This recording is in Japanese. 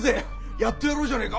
やってやろうじゃねえか！